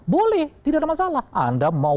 boleh tidak ada masalah anda mau